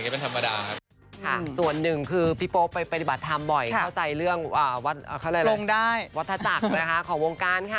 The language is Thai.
เป็นธรรมดาครับส่วนหนึ่งคือพี่โป๊ไปปฏิบัติธรรมบ่อยเข้าใจเรื่องวัฒนาจักรนะคะของวงการค่ะ